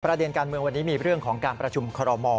ประเด็นการเมืองวันนี้มีเรื่องของการประชุมคอรมอล